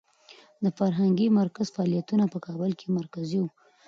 د فرهنګي مرکز فعالیتونه په کابل کې مرکزي و.